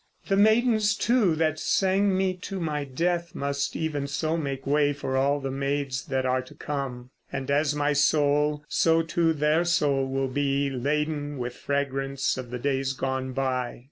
The maidens, too, that sang me to my death Must even so make way for all the maids That are to come. And as my soul, so too their soul will be Laden with fragrance of the days gone by.